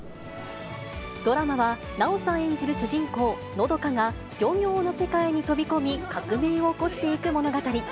ドラマは、奈緒さん演じる主人公、和佳が、漁業の世界に飛び込み、革命を起こしていく物語。